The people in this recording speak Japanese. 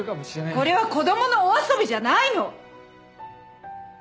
これは子供のお遊びじゃないの！